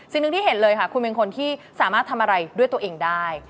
สิ่งหนึ่งที่เห็นเลยค่ะคุณเป็นคนที่สามารถทำอะไรด้วยตัวเองได้